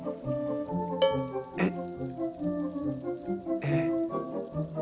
えっえっ。